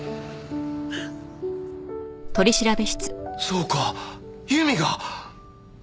そうか由美が！